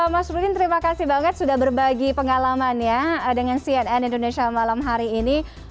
mas rudin terima kasih banget sudah berbagi pengalaman ya dengan cnn indonesia malam hari ini